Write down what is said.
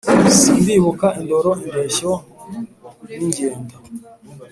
Simbibuka indoro indeshyo n'ingendo